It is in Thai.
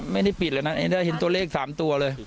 ไม่ได้ปิดเลยนะได้เห็นตัวเลข๓ตัวเลย